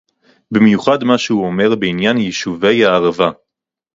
במיוחד מה שהוא אמר בעניין יישובי הערבה